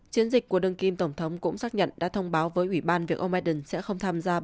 chiến dịch của đương kim tổng thống cũng xác nhận đã thông báo với ủy ban việc ông biden sẽ không tham gia